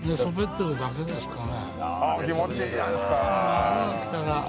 気持ちいいじゃないですか。